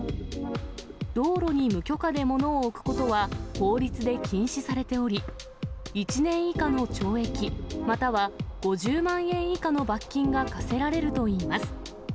道路に無許可で物を置くことは、法律で禁止されており、１年以下の懲役または５０万円以下の罰金が科せられるといいます。